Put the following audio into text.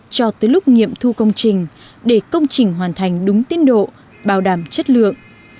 cho tới lúc nghiệm thu công trình để công trình hoàn thành đúng tiến độ bảo đảm chất lượng